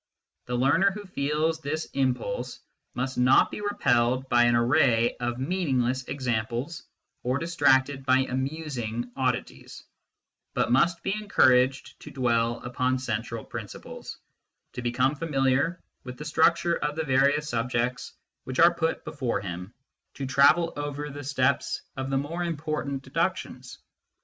The learner who feels this impulse must not be repelled by an array of meaningless examples or distracted by amusing oddities, but must be encouraged to dwell upon central principles, to become familiar with the structure of the various subjects which are put before THE STUDY OF MATHEMATICS 67 him, to travel easily over the steps of the more important deductions.